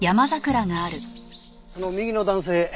その右の男性